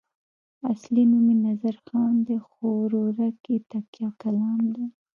اصلي نوم یې نظرخان دی خو ورورک یې تکیه کلام دی.